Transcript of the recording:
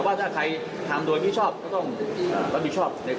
รับชอบความโปรดข้ำไป